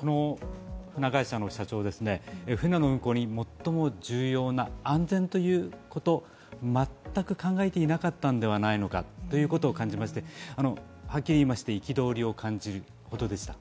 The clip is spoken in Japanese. この船会社の社長最も重要な安全ということ、全く考えていなかったのではないかということを感じましてはっきりいいまして、憤りを感じるほどでした。